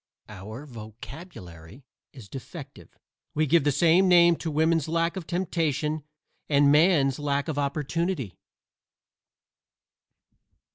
Our vocabulary is defective; we give the same name to woman's lack of temptation and man's lack of opportunity.